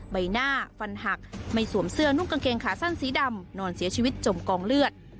ใบหน้าฟันหักไม่สวมเสื้อนุ่งกางเกงขาสั้นสีดำนอนเสียชีวิตจมกองเลือด